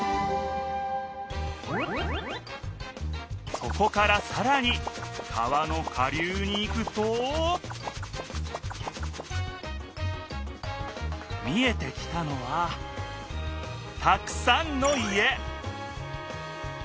そこからさらに川の下流に行くと見えてきたのはたくさんの家！